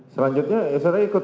selanjutnya ya saya ikut